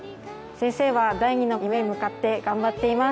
先生は第２の夢に向かって頑張っています。